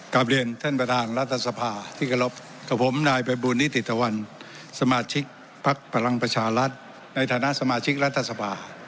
กลับเรียนท่านประธานรัฐสภาที่เคารพกับผมนายภัยบูรณิติตะวันสมาชิกภักดิ์พลังประชารัฐในฐานะสมาชิกรัฐสภา